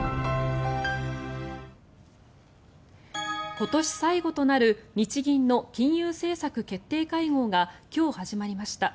今年最後となる日銀の金融政策決定会合が今日、始まりました。